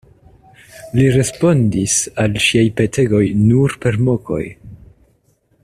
Li respondis al ŝiaj petegoj nur per mokoj.